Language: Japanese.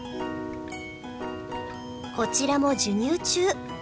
こちらも授乳中。